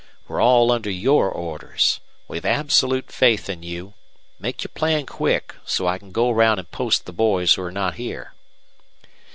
We're all under your orders. We've absolute faith in you. Make your plan quick, so I can go around and post the boys who're not here."